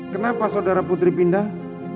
kenapa saudara putri pindah